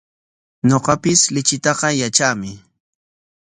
Ñuqapis lichitaqa yatraami.